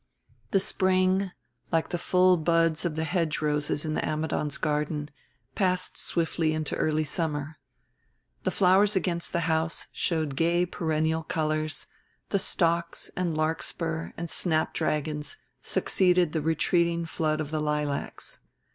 The spring, like the full buds of the hedge roses in the Ammidons' garden, passed swiftly into early summer. The flowers against the house showed gay perennial colors, the stocks and larkspur and snapdragons succeeded the retreating flood of the lilacs.